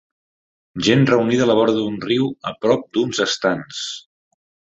Gent reunida a la vora d'un riu a prop d'uns estands.